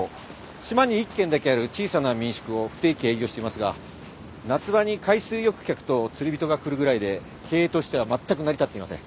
島に１軒だけある小さな民宿を不定期営業していますが夏場に海水浴客と釣り人が来るぐらいで経営としてはまったく成り立っていません。